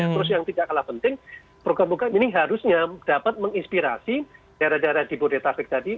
terus yang tidak kalah penting program program ini harusnya dapat menginspirasi daerah daerah di bodetabek tadi